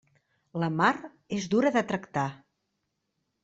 La mar és dura de tractar.